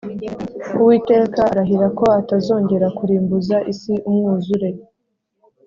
Uwiteka arahira ko atazongera kurimbuza isi umwuzure